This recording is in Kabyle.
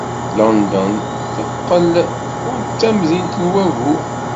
London teqqel ur d tamdint n wagu.